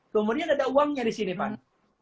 kemudian ada uangnya disini pan